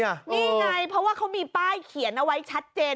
นี่ไงเพราะว่าเขามีป้ายเขียนเอาไว้ชัดเจน